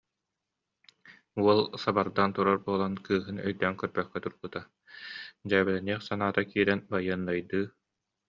Уол сабардаан турар буолан кыыһын өйдөөн көрбөккө турбута, дьээбэлэниэх санаата киирэн, байыаннайдыы: